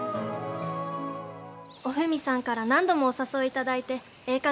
お文さんから何度もお誘いいただいてええ